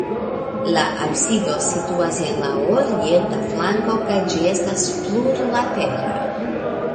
La absido situas en la orienta flanko kaj ĝi estas plurlatera.